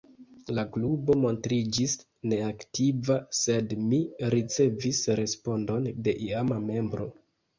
La klubo montriĝis neaktiva, sed mi ricevis respondon de iama membro.